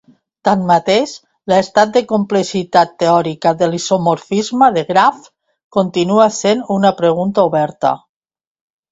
Tanmateix, l'estat de complexitat teòrica de l'isomorfisme de grafs continua sent una pregunta oberta.